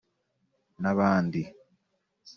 n’abandi…